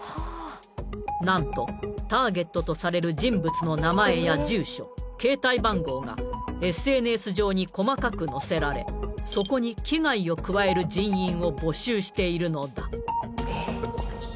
何とターゲットとされる人物の名前や住所携帯番号がＳＮＳ上に細かく載せられそこに危害を加える人員を募集しているのだ